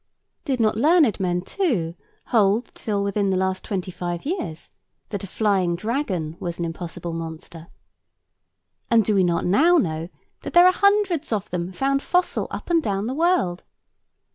Did not learned men, too, hold, till within the last twenty five years, that a flying dragon was an impossible monster? And do we not now know that there are hundreds of them found fossil up and down the world?